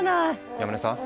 山根さん。